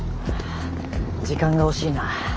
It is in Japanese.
時間が惜しいな。